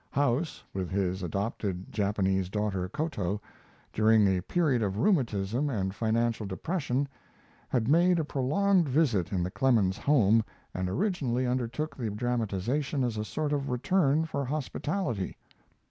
House, with his adopted Japanese daughter Koto, during a period of rheumatism and financial depression, had made a prolonged visit in the Clemens home and originally undertook the dramatization as a sort of return for hospitality.